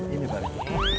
ini pak dek